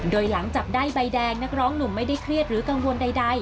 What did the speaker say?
โดยหลังจับได้ใบแดงนักร้องหนุ่มไม่ได้เครียดหรือกังวลใด